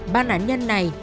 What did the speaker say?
ba nạn nhân này